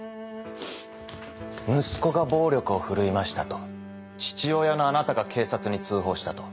息子が暴力を振るいましたと父親のあなたが警察に通報したと。